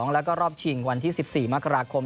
แล้วก็รอบชิงวันที่๑๔มกราคม